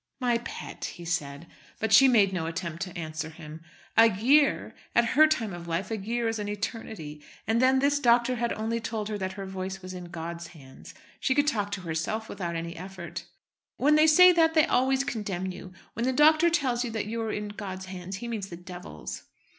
"My pet," he said. But she made no attempt to answer him. A year! At her time of life a year is an eternity. And then this doctor had only told her that her voice was in God's hands. She could talk to herself without any effort. "When they say that they always condemn you. When the doctor tells you that you are in God's hands he means the Devil's."